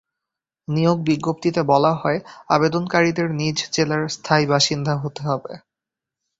নিয়োগ বিজ্ঞপ্তিতে বলা হয়, আবেদনকারীদের নিজ জেলার স্থায়ী বাসিন্দা হতে হবে।